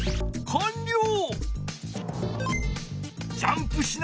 かんりょう！